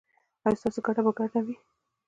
ایا ستاسو ګټه به ګډه وي؟